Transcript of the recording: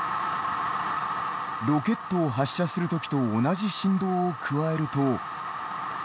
ロケットを発射する時と同じ振動を加えると。